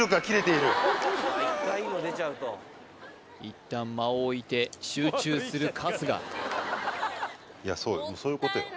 いったん間を置いて集中する春日いやそうよ